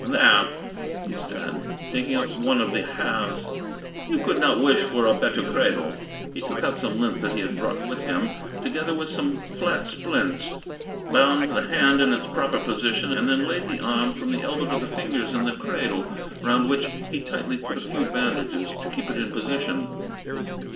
"There," he said, taking up one of the halves; "you could not wish for a better cradle." He took out some lint that he had brought with him, together with some flat splints, bound the hand in its proper position, and then laid the arm from the elbow to the fingers in the cradle, round which he tightly put a few bandages to keep it in position.